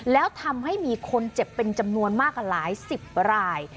แล้วทำให้มีคนเจ็บเป็นจำนวนมากหลายสิบราย